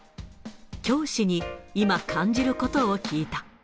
教師に、今感じることを聞いた。